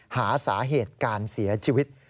หาสาเหตุการเสียชีวิต